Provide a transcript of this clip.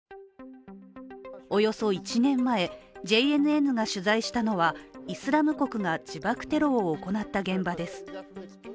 およそ１年前、ＪＮＮが取材したのはイスラム国が自爆テロを行った現場です。